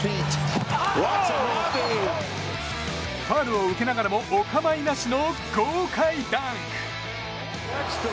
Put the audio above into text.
ファウルを受けながらもお構いなしの豪快ダンク。